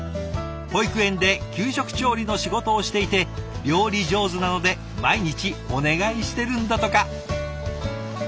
保育園で給食調理の仕事をしていて料理上手なので毎日お願いしてるんだとか。